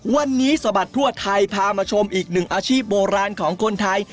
วันนี้สะบัดทั่วไทยพามาชมอีกหนึ่งอาชีพโบราณของคนไทย